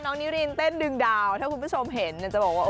นิรินเต้นดึงดาวถ้าคุณผู้ชมเห็นจะบอกว่า